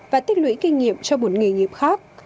và tích lũy kinh nghiệm cho một nghề nghiệp khác